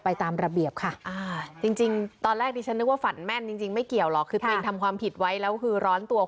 ตามระเบียบค่ะจริงตอนแรกดิฉันนึกว่าฝันแม่นจริงไม่เกี่ยวหรอกคือตัวเองทำความผิดไว้แล้วคือร้อนตัว